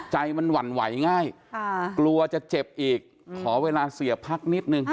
ใจมันหวั่นไหวง่ายกลัวจะเจ็บอีกขอเวลาเสียพักนิดนึง